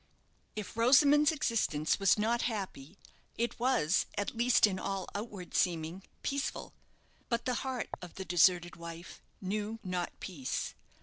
If Rosamond's existence was not happy, it was, at least in all outward seeming, peaceful. But the heart of the deserted wife knew not peace.